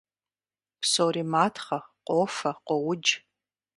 Псори матхъэ, къофэ, къуоудж…